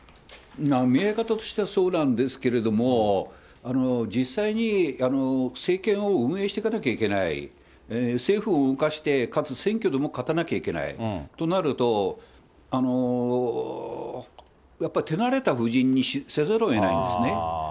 見え方としては、そうなんですけれども、実際に政権を運営していかなきゃいけない、政府を動かして、かつ選挙でも勝たなきゃいけない、となると、やっぱり、手慣れた布陣にせざるをえないんですね。